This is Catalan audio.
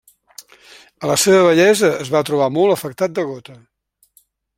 A la seua vellesa es va trobar molt afectat de gota.